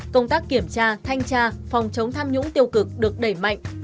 công tác kiểm tra thanh tra phòng chống tham nhũng tiêu cực được đẩy mạnh